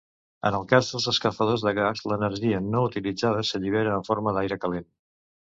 En el cas dels escalfadors de gas l'energia no utilitzada s'allibera en forma d'aire calent.